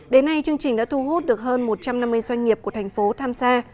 đến nay chương trình đã thu hút được hơn một trăm năm mươi doanh nghiệp của thành phố tham gia